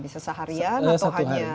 bisa seharian atau hanya